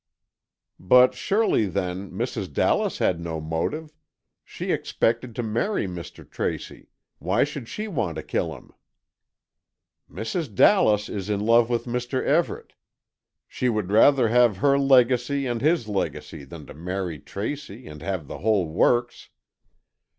"But surely then, Mrs. Dallas had no motive. She expected to marry Mr. Tracy—why should she want to kill him?" "Mrs. Dallas is in love with Mr. Everett. She would rather have her legacy and his legacy than to marry Tracy and have the whole works.